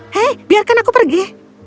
hei biarkan aku pergi